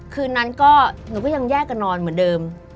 คืนนั้นก็หนูก็ยังแยกกันนอนเหมือนเดิม